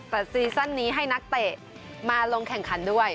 แต่ซีซั่นนี้ให้นักเตะมาลงแข่งขันด้วย